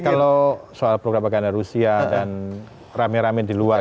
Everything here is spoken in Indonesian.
tapi kalau soal propaganda rusia dan rame rame di luar